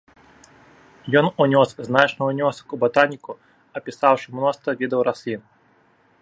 Ён унёс значны ўнёсак у батаніку, апісаўшы мноства відаў раслін.